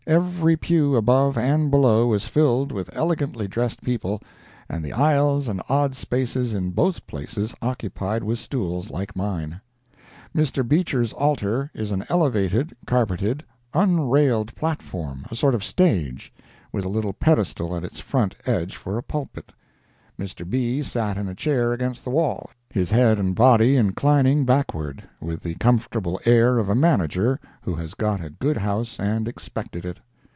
Every pew above and below was filled with elegantly dressed people, and the aisles and odd spaces in both places occupied with stools like mine. Mr. Beecher's altar is an elevated, carpeted, unrailed platform—a sort of stage—with a little pedestal at its front edge for a pulpit. Mr. B. sat in a chair against the wall, his head and body inclining backward, with the comfortable air of a manager who has got a good house and expected it.